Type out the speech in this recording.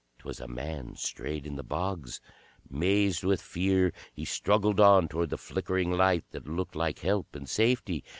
'T was a man strayed in the bogs. Mazed with fear he struggled on toward the flickering light that looked like help and safety.